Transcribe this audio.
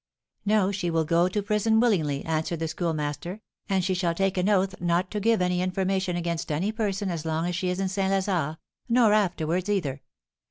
'No, she will go to prison willingly,' answered the Schoolmaster; 'and she shall take an oath not to give any information against any person as long as she is in St. Lazare, nor afterwards, either.